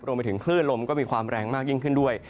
รวมไปถึงคลื่นลมก็มีความแรงมากยิ่งขึ้นด้วย